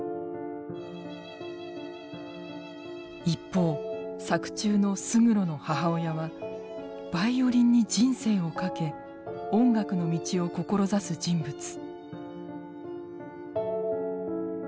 一方作中の勝呂の母親はバイオリンに人生をかけ音楽の道を志す人物。